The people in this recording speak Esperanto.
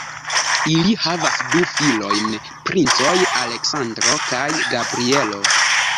Ili havas du filojn, princoj Aleksandro kaj Gabrielo.